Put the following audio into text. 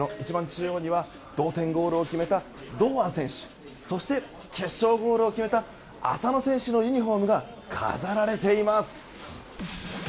中央には同点ゴールを決めたそして、決勝ゴールを決めた浅野選手のユニホームが飾られています。